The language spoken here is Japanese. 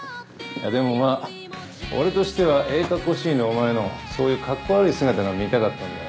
でもまあ俺としてはええかっこしいのお前のそういうかっこ悪い姿が見たかったんだよな。